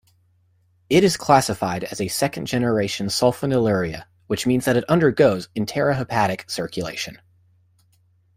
It is classified as a second-generation sulfonylurea, which means that it undergoes enterohepatic circulation.